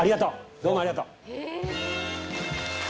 どうも、ありがとう！